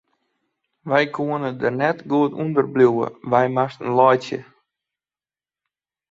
Wy koene der net goed ûnder bliuwe, wy moasten laitsje.